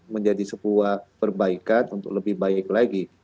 menjadi sebuah perbaikan untuk lebih baik lagi